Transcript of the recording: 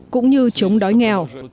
cũng như chống đói nghèo